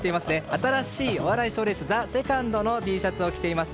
新しいお笑い賞レース「ＴＨＥＳＥＣＯＮＤ」のＴシャツを着ています。